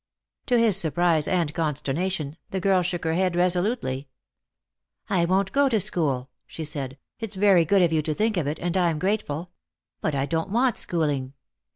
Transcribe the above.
To his surprise and consternation the girl shook her head resolutely. " I won't go to school," she said ;" it's very good of you to think of it, and I'm grateful. But I don't want schooling.